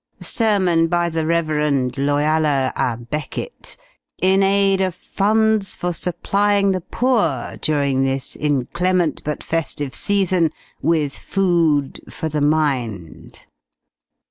Sermon, by the Rev. Loyalla à Becket, 'in aid of funds for supplying the poor, during this inclement but festive season, with food for the mind.'